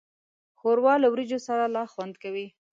ښوروا له وریجو سره لا خوند کوي.